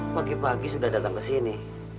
pagi pagi sudah datang kesini